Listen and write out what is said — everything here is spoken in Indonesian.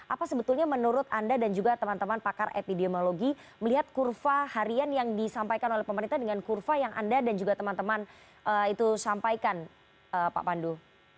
apa sebetulnya menurut anda dan juga teman teman pakar epidemiologi melihat kurva harian yang disampaikan oleh pemerintah dengan kurva yang anda dan juga teman teman itu sampaikan pak pandu